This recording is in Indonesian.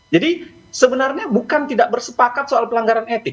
jadi sebenarnya bukan tidak bersepakat soal pelanggaran etik